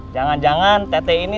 jangan jangan tete ini